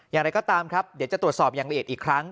อย่างไรก็ตามครับเดี๋ยวจะตรวจสอบอย่างละเอียดอีกครั้ง